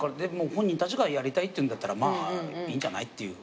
本人たちがやりたいっていうんだったらまあいいんじゃないっていう。